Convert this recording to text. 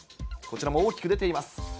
こちらも大きく出ています。